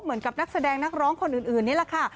เหมือนกับนักแสดงนักร้องคนอื่นนี่แหละค่ะ